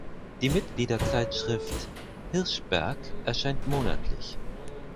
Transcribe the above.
Die Mitgliederzeitschrift "Hirschberg" erscheint monatlich.